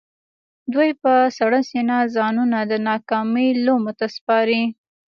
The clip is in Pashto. دوی په سړه سينه ځانونه د ناکامۍ لومو ته سپاري.